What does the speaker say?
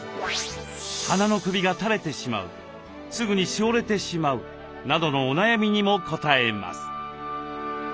花の首が垂れてしまうすぐにしおれてしまうなどのお悩みにも答えます。